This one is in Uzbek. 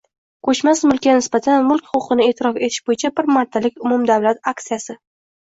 Koʼchmas mulkka nisbatan mulk huquqini eʼtirof etish boʼyicha bir martalik umumdavlat aktsiyasi